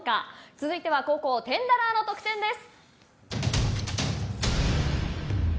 続いては後攻テンダラーの得点です。